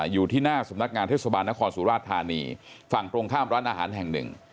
อยู่ที่หน้าสำนักงานเทศบาลนครสุราชธานีฝั่งตรงข้ามร้านอาหารแห่งหนึ่ง